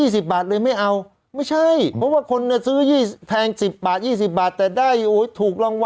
สิบบาทเลยไม่เอาไม่ใช่เพราะว่าคนน่ะซื้อจีสแพงสิบบาทยี่สิบบาทแต่ได้อุ้ยถูกรางวัลเนอะ๓๐